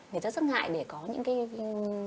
người ta rất ngại để có những cái